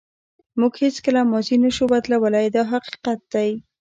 موږ هیڅکله ماضي نشو بدلولی دا حقیقت دی.